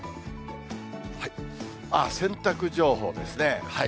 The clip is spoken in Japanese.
洗濯情報ですね。